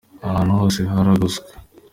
ahantu hose haragoswe.